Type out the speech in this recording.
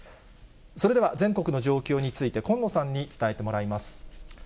それでは、全国の状況について、近野さんに伝えてもらいます。